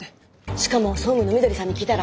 しかも総務の緑さんに聞いたら。